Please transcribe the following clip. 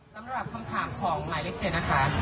คุณมีความคิดค่ะสำหรับคำถามของหมายเล็กเจนนะคะ